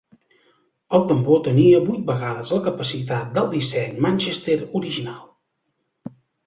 El tambor tenia vuit vegades la capacitat del disseny Manchester original.